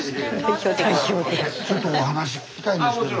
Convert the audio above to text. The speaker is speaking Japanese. ちょっとお話聞きたいんですけど。